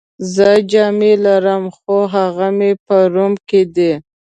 زه جامې لرم، خو هغه مې په روم کي دي.